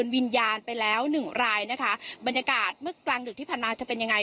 วิญญาณไปแล้วหนึ่งรายนะคะบรรยากาศเมื่อกลางดึกที่ผ่านมาจะเป็นยังไง